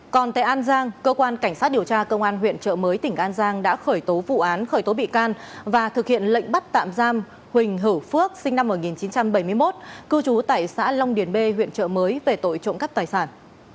còn tại an giang cơ quan cảnh sát điều tra công an huyện trợ mới tỉnh an giang đã khởi tố vụ án khởi tố bị can và thực hiện lệnh bắt tạm giam huỳnh hữu phước sinh năm một nghìn chín trăm bảy mươi một cư trú tại xã long điền b huyện trợ mới về tội trộm cắp tài sản